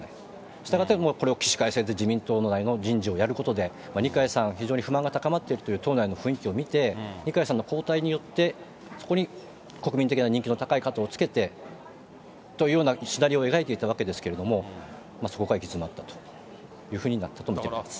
したがってこれを起死回生で、自民党内の人事をやることで、二階さん、非常に不満が高まっているという党内の雰囲気を見て、二階さんの交代によって、そこに国民的な人気の高い方をつけてというようなシナリオを描いていたわけでありますけれども、そこが行き詰ったというふうになったと見ています。